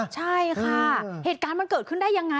ใช่ค่ะเหตุการณ์มันเกิดขึ้นได้ยังไง